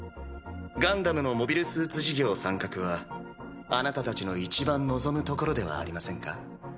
ガンダムのモビルスーツ事業参画はあなたたちのいちばん望むところではありませんか？